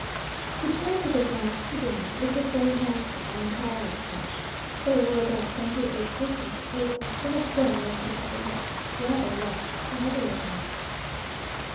We returned to the 's to dinner, which was very handsome, and entirely French. There were about twenty eight persons at table, some of them looked as if they had rather lost than otherwise.